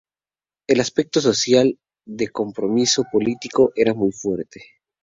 El aspecto social de su compromiso político era muy fuerte.